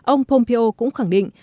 ông pompeo cũng khẳng định